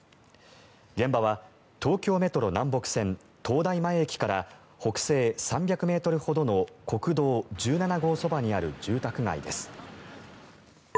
現場は東京メトロ南北線東大前駅から北西３００ｍほどの国道１７号そばにある住宅街です。